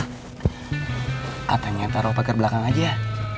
katanya taruh pagar belakang aja